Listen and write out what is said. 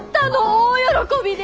大喜びで！